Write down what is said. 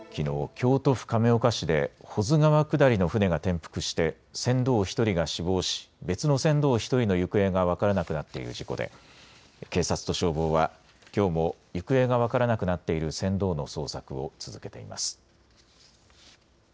京都府亀岡市で保津川下りの舟が転覆しで船頭１人が死亡し別の船頭１人の行方が分からなくなっている事故で警察と消防はきょうも行方が分からなくなっている船頭の捜索を続けています。